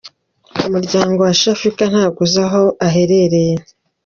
Umuryango wa Shafik ntabwo uzi aho aherereye.